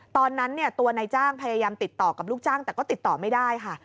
ตอนนั้นตัวนายจ้างพยายามติดต่อกับลูกจ้างแต่ก็ติดต่อไม่ได้ค่ะ